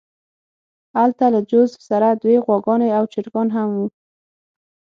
هلته له جوزف سره دوې غواګانې او چرګان هم وو